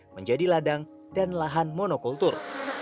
menjadi ladang dan lahan monokultur